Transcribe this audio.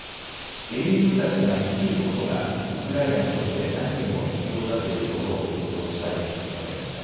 英雄たちが生きることがウクライナにとって何よりも必要だということを強調したいと述べました。